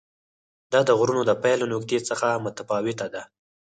دا د غرونو د پیل له نقطې څخه متفاوته ده.